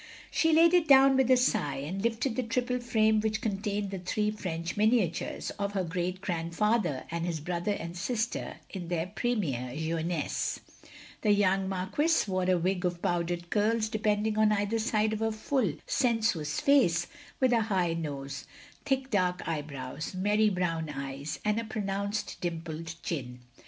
She laid it down with a sigh, and lifted the triple frame which contained the three French miniatures, of her great grandfather and his brother and sister in their premibre jeunesse. The young Marquis wore a wig of powdered curls depending on either side of a full, sensuous face, with a high nose, thick dark eyebrows, merry brown eyes, and a pronounced dimpled chin.